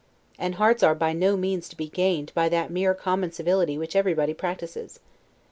and hearts are by no means to be gained by that mere common civility which everybody practices.